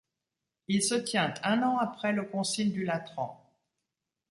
Il se tient un an après le concile du Latran.